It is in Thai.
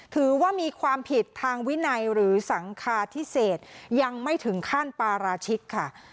ถือว่ามีความผิดทางวินัยหรือสังคาพิเศษยังไม่ถึงขั้นปาราชิกค่ะ